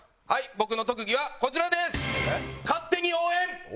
僕の特技はこちらです。